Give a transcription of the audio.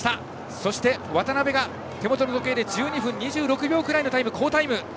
そして、渡邊が手元の時計で１２分２６秒くらいの好タイム。